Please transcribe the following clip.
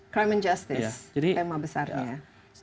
crime and justice tema besarnya